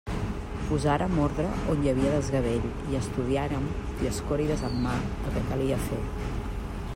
Posàrem ordre on hi havia desgavell i estudiàrem, Dioscòrides en mà, el que calia fer.